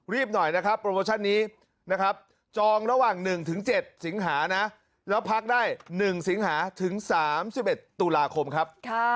หน่อยนะครับโปรโมชั่นนี้นะครับจองระหว่าง๑๗สิงหานะแล้วพักได้๑สิงหาถึง๓๑ตุลาคมครับ